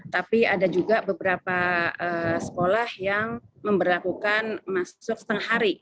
tapi ada juga beberapa sekolah yang memperlakukan masuk setengah hari